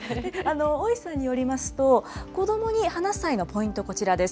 大石さんによりますと、子どもに話す際のポイント、こちらです。